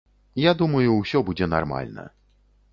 Я думаю, усё будзе нармальна.